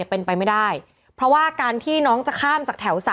เป็นไปไม่ได้เพราะว่าการที่น้องจะข้ามจากแถว๓